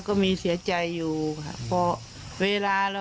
ก็มีเสียใจอยู่เพราะเวลาเราคิดถึง